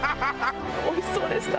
おいしそうでした。